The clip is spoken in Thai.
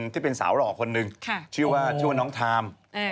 ที่เป็นสาวหล่อคนหนึ่งชื่อว่าชื่อว่าน้องทาม